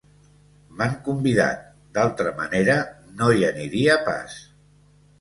M'han convidat: d'altra manera, no hi aniria pas.